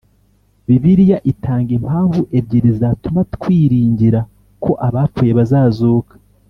Bibiliya itanga impamvu ebyiri zatuma twiringira ko abapfuye bazazuka